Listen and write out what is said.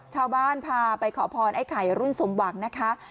ชาวบ้านพาไปขอพรไอ้ไข่รุ่นสมหวังนะคะ